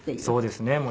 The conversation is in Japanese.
そうですね。